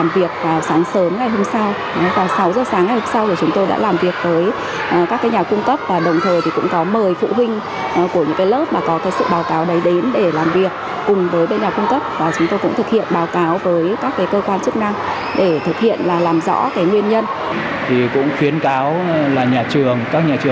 và nhanh chóng phối hợp với cơ quan chức năng tìm nguyên nhân vụ việc